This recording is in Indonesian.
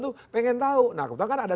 tuh pengen tahu nah kebetulan ada